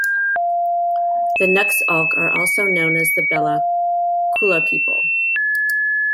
The Nuxalk are also known as the Bella Coola people.